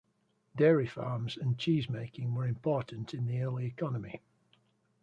Dairy farms and cheesemaking were important in the early economy.